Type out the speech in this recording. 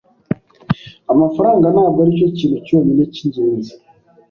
Amafaranga ntabwo aricyo kintu cyonyine cyingenzi.